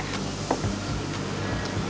ini tuh coklat